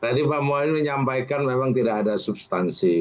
tadi pak mohaimin menyampaikan memang tidak ada substansi